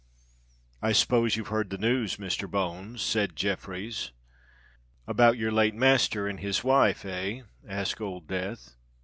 "I s'pose you've heard the news, Mr. Bones?" said Jeffreys. "About your late master and his wife—eh?" asked Old Death.